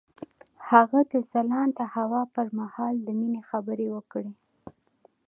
هغه د ځلانده هوا پر مهال د مینې خبرې وکړې.